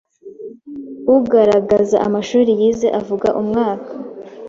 Ugaragaza amashuri yize avuga umwaka